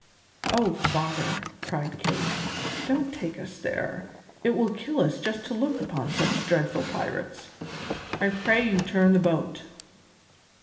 "Oh, father!" cried Kate, "don't take us there; it will kill us just to look upon such dreadful pirates. I pray you turn the boat!"